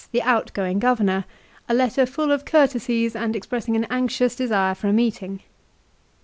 the outgoing Governor, a letter full of courtesies and ex pressing an anxious desire for a meeting.